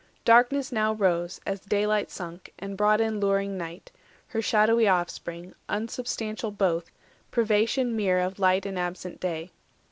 Darkness now rose, As daylight sunk, and brought in louring Night, Her shadowy offspring, unsubstantial both, Privation mere of light and absent day.